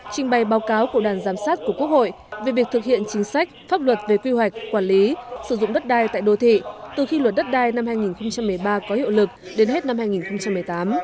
trình bày báo cáo của đoàn giám sát của quốc hội về việc thực hiện chính sách pháp luật về quy hoạch quản lý sử dụng đất đai tại đô thị từ khi luật đất đai năm hai nghìn một mươi ba có hiệu lực đến hết năm hai nghìn một mươi tám